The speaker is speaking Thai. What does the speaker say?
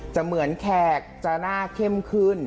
เหมือนแขกจะหน้าเข้มขึ้น